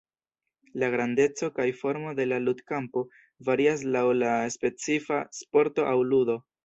La grandeco kaj formo de la ludkampo varias laŭ la specifa sporto aŭ ludo.